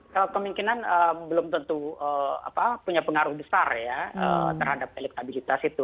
kalau kemungkinan belum tentu punya pengaruh besar ya terhadap elektabilitas itu